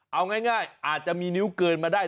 เอาง่ายอาจจะมีนิ้วเกินมาได้